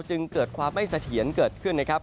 จึงเกิดความไม่เสถียรเกิดขึ้นนะครับ